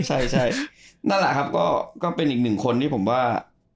ใช่นั่นแหละครับก็เป็นอีกหนึ่งคนที่ผมว่า